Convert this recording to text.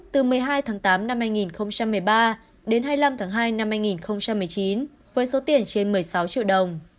từ một mươi hai tháng tám năm hai nghìn một mươi ba đến hai mươi năm tháng hai năm hai nghìn một mươi chín với số tiền trên một mươi sáu triệu đồng